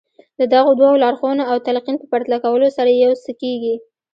د دغو دوو لارښوونو او تلقين په پرتله کولو سره يو څه کېږي.